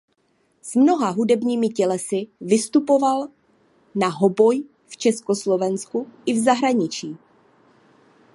S mnoha hudebními tělesy vystupoval na hoboj v Československu i v zahraničí.